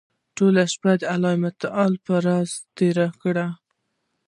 ټوله شپه يې الله تعالی ته په زاريو تېره کړه